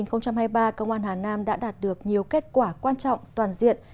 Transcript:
năm hai nghìn hai mươi ba công an hà nam đã đạt được nhiều kết quả quan trọng toàn diện